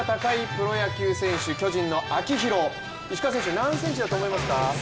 プロ野球選手、巨人の秋広、石川選手何センチだと思いますか？